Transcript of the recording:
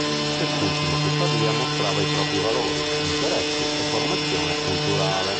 Quest'ultimo tuttavia mostrava i propri valori, interessi e formazione culturale.